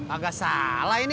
agak salah ini